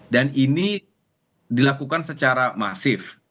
dan ini dilakukan secara masif